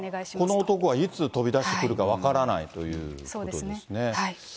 この男がいつ飛び出してくるか分からないということですね。